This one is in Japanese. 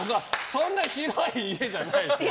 そんな広い家じゃない。